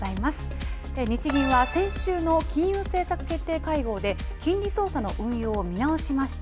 日銀は先週の金融政策決定会合で、金利操作の運用を見直しました。